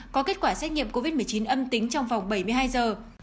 có kết quả xét nghiệm covid một mươi chín âm tính trong vòng bảy mươi hai giờ